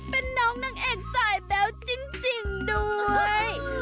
เป็นน้องนางเอกสายแบ๊วจริงด้วย